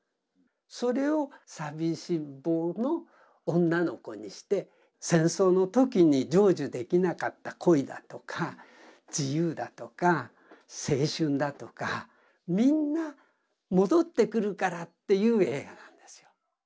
それを「さびしんぼう」の女の子にして戦争の時に成就できなかった恋だとか自由だとか青春だとかみんな戻ってくるからっていう映画なんですよ。